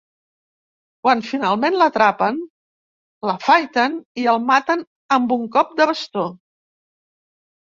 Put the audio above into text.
Quan finalment l’atrapen, l’afaiten i el maten amb un cop de bastó.